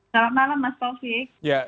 selamat malam mas taufik